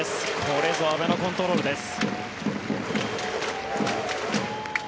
これぞ阿部のコントロールです。